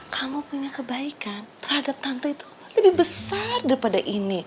kamu punya kebaikan terhadap tante itu lebih besar daripada ini